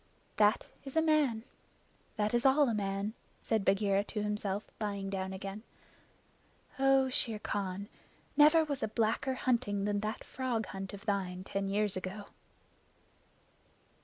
"That is a man. That is all a man," said Bagheera to himself, lying down again. "Oh, Shere Khan, never was a blacker hunting than that frog hunt of thine ten years ago!"